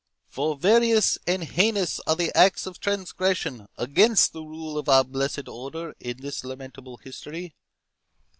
For various and heinous are the acts of transgression against the rule of our blessed Order in this lamentable history.